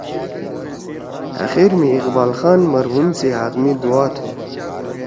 آخر میں اقبال خان مرحوم سی حق می دُعا تُھو۔